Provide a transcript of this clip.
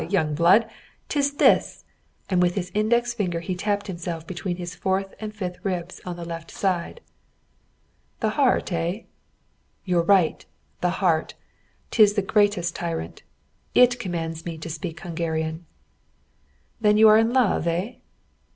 Young blood! 'Tis this!" and with his index finger he tapped himself between his fourth and fifth ribs on the left hand side. "The heart, eh?" "You're right. The heart. 'Tis the greatest tyrant. It commands me to speak Hungarian." "Then you are in love, eh?"